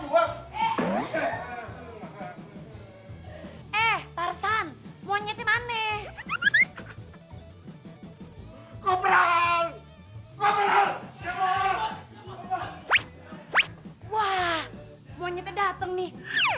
wah monyetnya datang nih